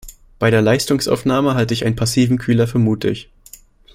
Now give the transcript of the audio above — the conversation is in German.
Bei der Leistungsaufnahme halte ich einen passiven Kühler für mutig.